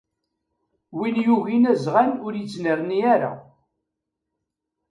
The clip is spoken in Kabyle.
Win yugin azɣan ur yettnerni ara.